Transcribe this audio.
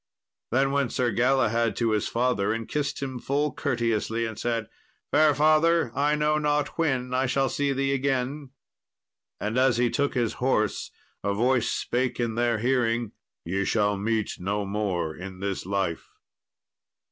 Then went Sir Galahad to his father and kissed him full courteously, and said, "Fair father, I know not when I shall see thee again." And as he took his horse a voice spake in their hearing, "Ye shall meet no more in this life."